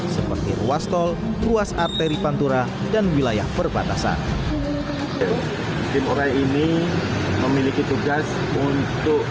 seperti ruas tol ruas arteri pantura dan wilayah perbatasan tim urai ini memiliki tugas untuk